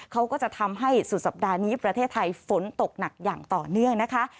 เขาก็จะทำให้สุดสัปดาห์นี้ประเทศไทยฝนตกหนักอย่างต่อเนื่องนะคะ